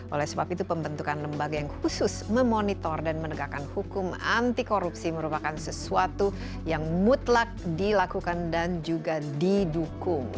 oleh sebab itu pembentukan lembaga yang khusus memonitor dan menegakkan hukum anti korupsi merupakan sesuatu yang mutlak dilakukan dan juga didukung